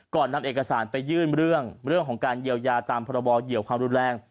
นำเอกสารไปยื่นเรื่องของการเยียวยาตามพรบเหยียวความรุนแรง